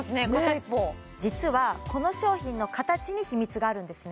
一方実はこの商品の形に秘密があるんですね